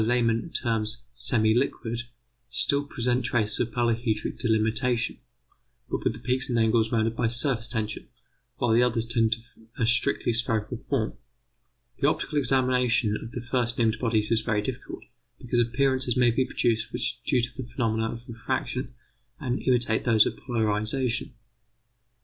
Lehmann terms semi liquid still present traces of polyhedric delimitation, but with the peaks and angles rounded by surface tension, while the others tend to a strictly spherical form. The optical examination of the first named bodies is very difficult, because appearances may be produced which are due to the phenomena of refraction and imitate those of polarization.